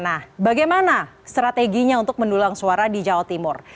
nah bagaimana strateginya untuk mendulang suara di jawa timur